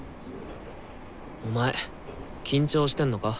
お前緊張してんのか？